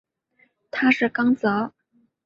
他是刚铎。